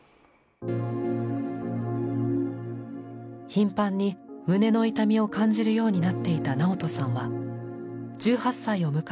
頻繁に胸の痛みを感じるようになっていたナオトさんは１８歳を迎えた